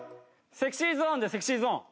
ＳｅｘｙＺｏｎｅで『ＳｅｘｙＺｏｎｅ』。